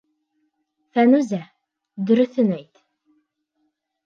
Фәнүзә... дөрөҫөн әйт...